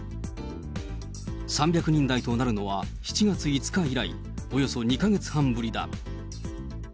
３００人台となるのは、７月５日以来、およそ２か月半ぶりだ。